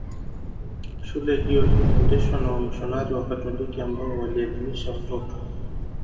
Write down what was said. Shule hiyo iliendeshwa na wamisionari Wakatoliki ambao walielimisha watoto